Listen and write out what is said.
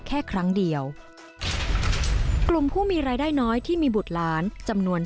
แค่ครั้งเดียวกลุ่มผู้มีรายได้น้อยที่มีบุตรหลานจำนวน